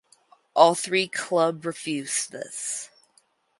All three club refused this.